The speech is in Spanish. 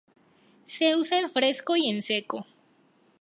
Se usa en fresco, y en seco.